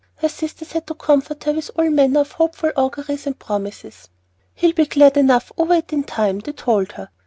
Her sisters had to comfort her with all manner of hopeful auguries and promises. "He'll be glad enough over it in time," they told her.